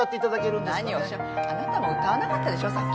あなたも歌わなかったでしょう、さっき。